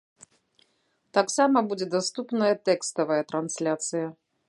Таксама будзе даступная тэкставая трансляцыя.